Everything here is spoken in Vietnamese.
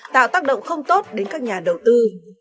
tạo tác động không tốt đến các nhà đầu tư